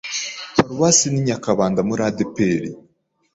Paruwase ni Nyakabanda muri ADEPR.